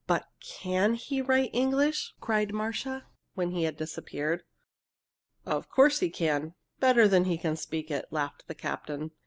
"But can he write English?" cried Marcia, when he had disappeared. "Of course he can, better than he can speak it!" laughed the captain.